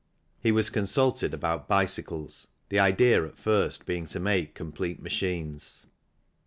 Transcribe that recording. He was consulted about bicycles, the idea at first being to make complete machines.